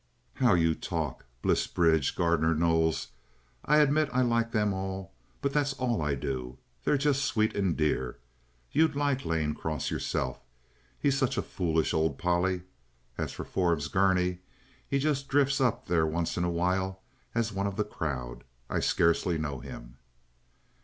"How you talk! Bliss Bridge, Gardner Knowles! I admit I like them all, but that's all I do do. They're just sweet and dear. You'd like Lane Cross yourself; he's such a foolish old Polly. As for Forbes Gurney, he just drifts up there once in a while as one of the crowd. I scarcely know him."